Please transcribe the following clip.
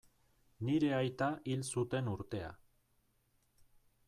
Nire aita hil zuten urtea.